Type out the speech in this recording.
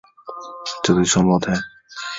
这对双胞胎姐妹都是公开的同性恋者。